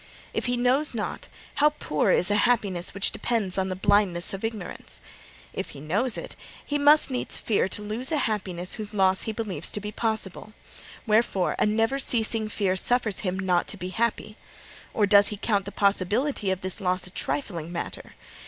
If he knows not, how poor is a happiness which depends on the blindness of ignorance! If he knows it, he needs must fear to lose a happiness whose loss he believes to be possible. Wherefore, a never ceasing fear suffers him not to be happy. Or does he count the possibility of this loss a trifling matter?